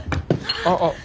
ああ。